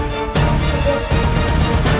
raja ibu nda